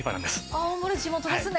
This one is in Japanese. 青森地元ですね。